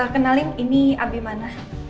kenalin ini abimana